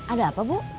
ada apa bu